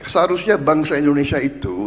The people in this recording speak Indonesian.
seharusnya bangsa indonesia itu